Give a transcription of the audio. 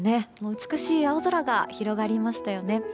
美しい青空が広がりましたよね。